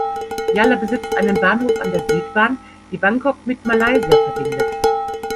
Yala besitzt einen Bahnhof an der Südbahn, die Bangkok mit Malaysia verbindet.